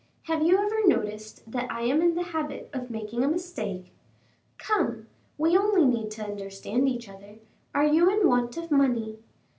Have you ever noticed that I am in the habit of making a mistake? Come, we only need to understand each other. Are you in want of money?"